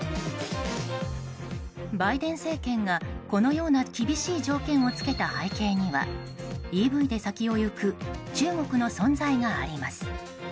バイデン政権が、このような厳しい条件をつけた背景にはＥＶで先を行く中国の存在があります。